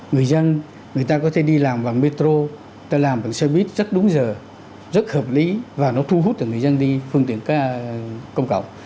người dân người ta có thể đi làm bằng metro ta làm bằng xe buýt rất đúng giờ rất hợp lý và nó thu hút được người dân đi phương tiện công cộng